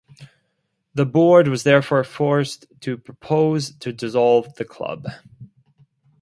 The board was therefore forced to propose to dissolve the club.